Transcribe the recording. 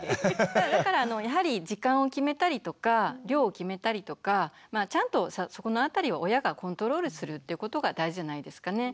だからやはり時間を決めたりとか量を決めたりとかちゃんとそこのあたりを親がコントロールするということが大事じゃないですかね。